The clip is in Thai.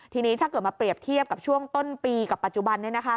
ทีนี้ถ้าเกิดมาเปรียบเทียบกับช่วงต้นปีกับปัจจุบัน